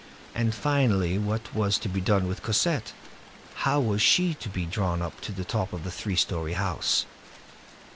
And finally, what was to be done with Cosette? How was she to be drawn up to the top of a three story house?